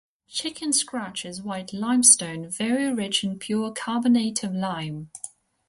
Chicken scratch is white limestone very rich in pure carbonate of lime.